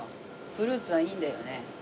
フルーツはいいんだよね。